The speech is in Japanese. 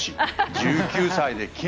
１９歳で金。